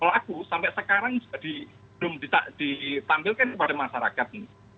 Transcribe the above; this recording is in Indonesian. pelaku sampai sekarang belum ditampilkan kepada masyarakat